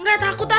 enggak takut lah